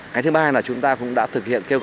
cái thứ ba là chúng ta cũng đã thực hiện